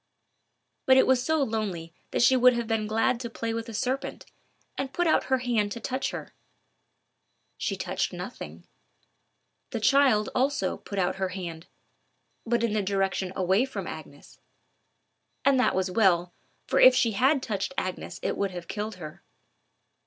But it was so lonely that she would have been glad to play with a serpent, and put out her hand to touch her. She touched nothing. The child, also, put out her hand—but in the direction away from Agnes. And that was well, for if she had touched Agnes it would have killed her.